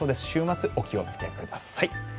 週末、お気をつけください。